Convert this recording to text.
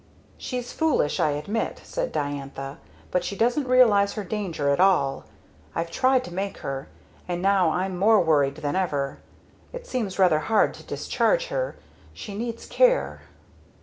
"She's foolish, I admit," said Diantha, "but she doesn't realize her danger at all. I've tried to make her. And now I'm more worried than ever. It seems rather hard to discharge her she needs care."